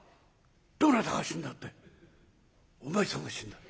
「どなたが死んだってお前さんが死んだんだ」。